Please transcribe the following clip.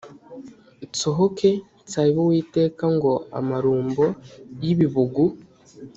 nsohoke nsabe uwiteka ngo amarumbo y ibibugu